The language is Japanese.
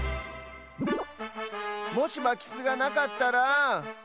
もしまきすがなかったら。